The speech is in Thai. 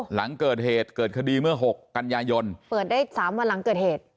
หลังเกิดเหตุเกิดคดีเมื่อ๖กันยายนเปิดได้สามวันหลังเกิดเหตุ